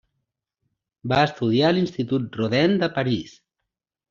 Va estudiar a l'Institut Rodin de París.